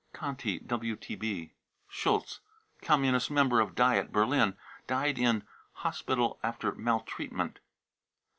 (Conti* j WTB.) schulz, Communist member of Diet, Berlin, died in' hospital after maltreatment.